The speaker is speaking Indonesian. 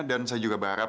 dan saya juga berharap